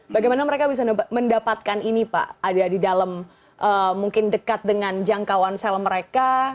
bagaimana mereka bisa mendapatkan ini pak ada di dalam mungkin dekat dengan jangkauan sel mereka